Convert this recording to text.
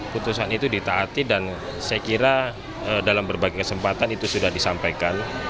putusan itu ditaati dan saya kira dalam berbagai kesempatan itu sudah disampaikan